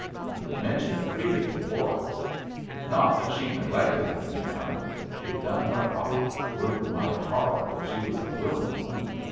He would mention it freely to the boys. Not that she neglected him, yu' know. She done her part, workin' mighty hard, for she was a willin' woman.